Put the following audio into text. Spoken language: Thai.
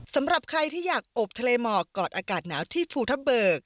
สำหรับใครที่อยากอบทะเลหมอกกอดอากาศหนาวที่ภูทะเบิก